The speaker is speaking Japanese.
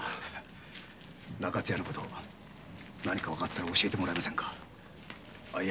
中津屋の事何かわかったら教えてもらえませんか。